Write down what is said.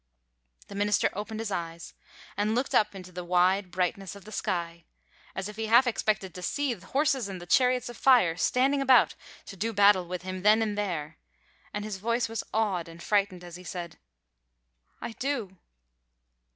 The minister opened his eyes and looked up into the wide brightness of the sky, as if he half expected to see horses and chariots of fire standing about to do battle with him then and there, and his voice was awed and frightened as he said: "I do!"